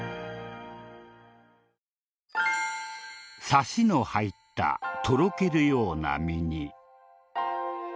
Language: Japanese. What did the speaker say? サシの入ったとろけるような身に。